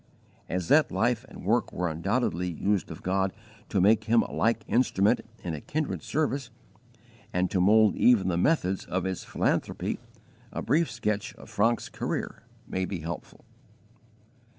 As that life and work were undoubtedly used of God to make him a like instrument in a kindred service, and to mould even the methods of his philanthropy, a brief sketch of Francke's career may be helpful.